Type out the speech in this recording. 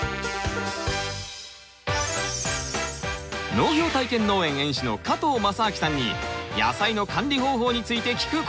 農業体験農園園主の加藤正明さんに野菜の管理方法について聞くコーナー。